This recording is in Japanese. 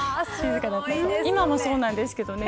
今もそうなんですけどね。